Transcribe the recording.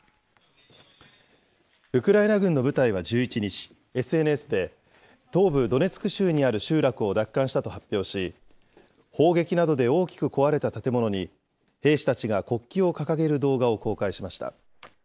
ウクライナ軍の部隊は１１日、ＳＮＳで、東部ドネツク州にある集落を奪還したと発表し、砲撃などで大きく壊れた建物に、兵士たちが国旗を掲げる動画を公開しました。